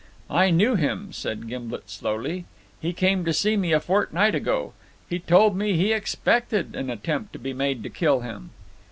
"I knew him," said Gimblet slowly. "He came to see me a fortnight ago. He told me he expected an attempt might be made to kill him."